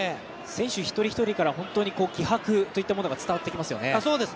選手１人１人から気迫というのが伝わってきますよね。